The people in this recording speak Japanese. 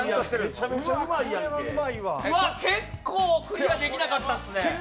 うわっ、結構クリアできなかったっすね！